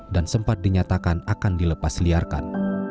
dan sempat dinyatakan akan dilepas liarkan